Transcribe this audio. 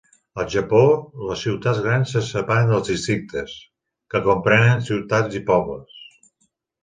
Al Japó, les ciutats grans se separen dels districtes, que comprenen ciutats i pobles.